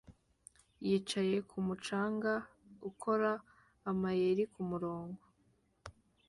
yicaye kumu canga er ukora amayeri kumurongo